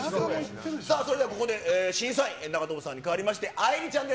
さあ、それではここで審査員、長友さんに変わりまして、あいりちゃんです。